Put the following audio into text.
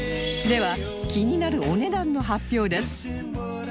では気になるお値段の発表です